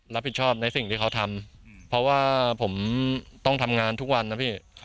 รับผิดชอบในสิ่งที่เขาทำเพราะว่าผมต้องทำงานทุกวันนะพี่